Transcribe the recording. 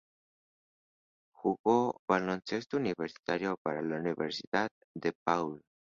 Jugó baloncesto universitario para la Universidad DePaul.